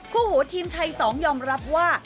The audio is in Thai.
หูทีมไทย๒ยอมรับว่า